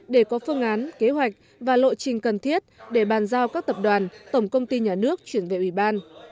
để có phương án kế hoạch và lộ trình cần thiết để bàn giao các tập đoàn tổng công ty nhà nước chuyển về ủy ban